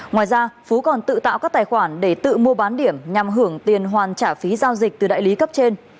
ngoài ra phú còn tự tạo các tài khoản để tự mua bán điểm nhằm hưởng tiền hoàn trả phí giao dịch từ đại lý cấp trên